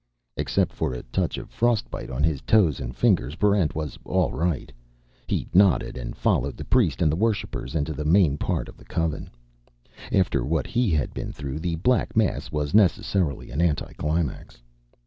Except for a touch of frostbite on his toes and fingers, Barrent was all right. He nodded, and followed the priest and the worshipers into the main part of the Coven. After what he had been through, the Black Mass was necessarily an anticlimax.